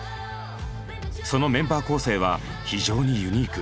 そのメンバー構成は非常にユニーク。